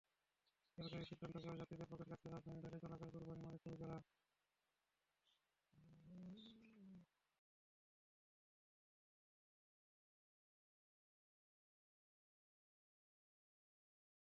আপনি ফ্রেশ হলে আমার গাড়িতে আপনাকে নিয়ে যেতে পারি।